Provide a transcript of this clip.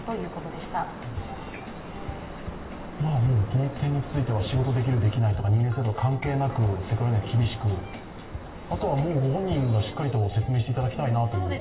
この点にいつては仕事できる、できないとか、人間性とか関係なく、セクハラには厳しく、あとはご本人がしっかり説明していただきたいなという。